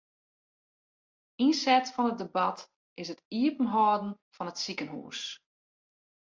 Ynset fan it debat is it iepenhâlden fan it sikehûs.